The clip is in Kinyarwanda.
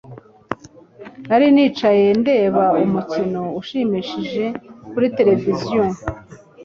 Nari nicaye ndeba umukino ushimishije kuri tereviziyo.